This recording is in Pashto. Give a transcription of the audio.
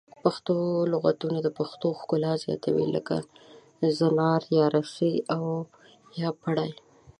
پښتو لغتونه د پښتو ښکلا زیاتوي لکه زنار یا رسۍ او یا پړی